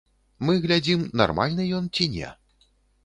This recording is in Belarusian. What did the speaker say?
Мы глядзім, нармальны ён ці не.